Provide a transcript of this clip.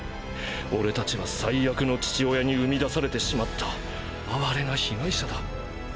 俺たちは最悪の父親に産み出されてしまった哀れな被害者だ。